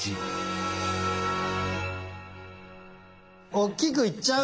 おっきくいっちゃう？